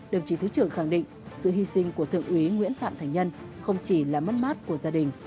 đồng chí thứ trưởng khẳng định sự hy sinh của thượng úy nguyễn phạm thành nhân không chỉ là mất mát của gia đình